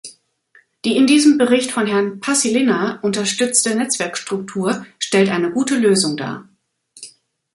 Die in diesem Bericht von Herrn Paasilinna unterstützte Netzwerkstruktur stellt eine gute Lösung dar.